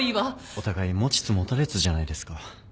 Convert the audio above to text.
お互い持ちつ持たれつじゃないですか。